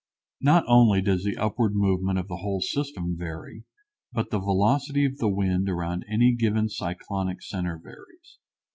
Not only does the upward movement of the whole system vary, but the velocity of the wind around any given cyclonic center varies.